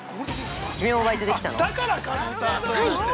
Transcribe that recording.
君もバイトで来たの？